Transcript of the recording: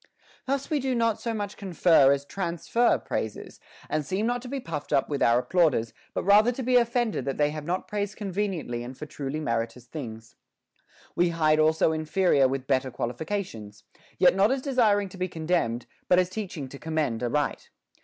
Thus we do not so much confer as transfer praises, and seem not to be puffed up with our applauders, but rather to be offended that they have not praised conveniently and for truly meritorious things. We hide also inferior with better qualifications ; yet not as desiring to be commended, but as teaching to commend aright.